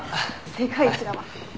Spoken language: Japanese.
世界一だわ。